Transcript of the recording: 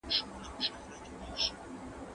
د شپې موبایل مه کاروئ.